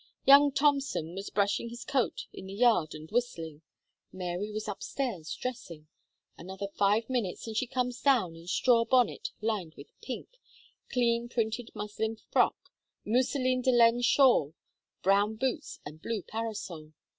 Young Thomson was brushing his coat in the yard and whistling; Mary was upstairs dressing; another five minutes, and she comes down in straw bonnet lined with pink, clean printed muslin frock, mousseline de laine shawl, brown boots and blue parasol.